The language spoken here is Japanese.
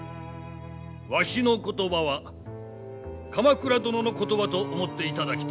わしの言葉は鎌倉殿の言葉と思っていただきたい。